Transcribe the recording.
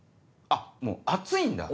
あっもう暑いんだ？